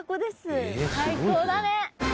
最高だね。